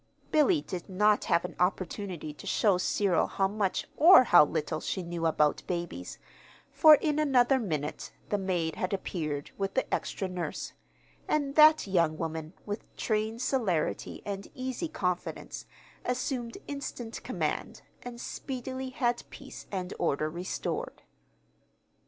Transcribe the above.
Billy did not have an opportunity to show Cyril how much or how little she knew about babies, for in another minute the maid had appeared with the extra nurse; and that young woman, with trained celerity and easy confidence, assumed instant command, and speedily had peace and order restored.